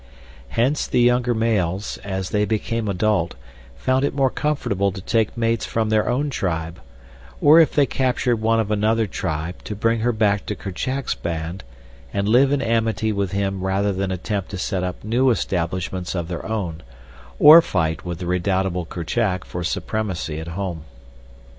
Hence the younger males as they became adult found it more comfortable to take mates from their own tribe, or if they captured one of another tribe to bring her back to Kerchak's band and live in amity with him rather than attempt to set up new establishments of their own, or fight with the redoubtable Kerchak for supremacy at home.